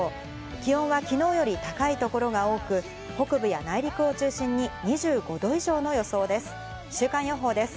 気温はきのうより高い所が多く、北部や内陸を中心に２５度以上の予想です。